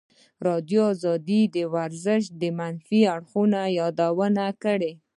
ازادي راډیو د ورزش د منفي اړخونو یادونه کړې.